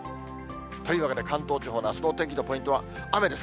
というわけで、関東地方のあすのお天気のポイントは、雨です。